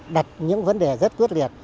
đặt những vấn đề rất quyết liệt